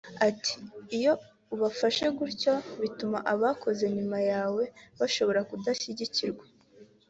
Ati “Iyo ubafashe gutyo bituma ababukoze nyuma yawe bashobora kudashyigikirwa